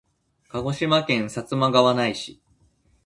鹿児島県薩摩川内市